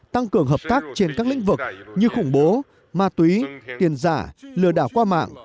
tăng cường hợp tác trên các lĩnh vực như khủng bố ma túy tiền giả lừa đảo qua mạng